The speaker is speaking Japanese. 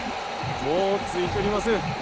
もう着いちょります。